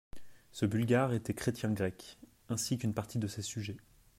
Ce Bulgare était chrétien grec, ainsi qu'une partie de ses sujets.